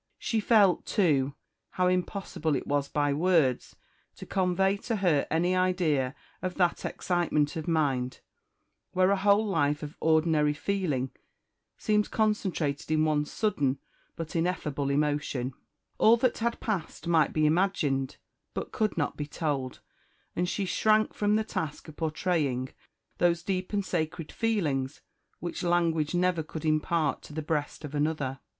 She felt, too, how impossible it was by words to convey to her any idea of that excitement of mind, where a whole life of ordinary feeling seems concentrated in one sudden but ineffable emotion. All that had passed might be imagined, but could not be told; and she shrank from the task of portraying those deep and sacred feelings which language never could impart to the breast of another.